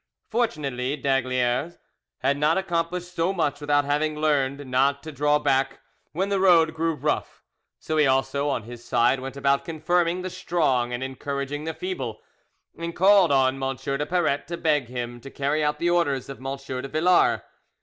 Fortunately, d'Aygaliers had not accomplished so much without having learned not to draw back when the road grew rough, so he also on his side went about confirming the strong and encouraging the feeble, and called on M. de Paratte to beg him to carry out the orders of M. de Villars.